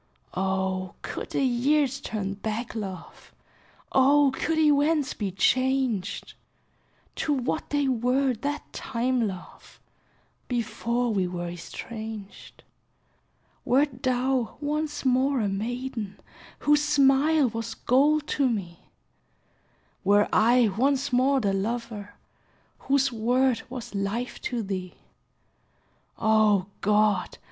Oh, could the years turn back, love! Oh, could events be changed To what they were that time, love, Before we were estranged; Wert thou once more a maiden Whose smile was gold to me; Were I once more the lover Whose word was life to thee, O God!